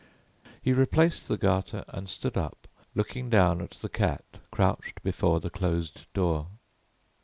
He replaced the garter and stood up looking down at the cat crouched before the closed door.